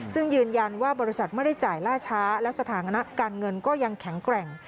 ซึ่งยืนยันว่าบริษัทไม่ได้จ่ายล่าช้าและสถานะการเงินก็ยังแข็งแกร่ง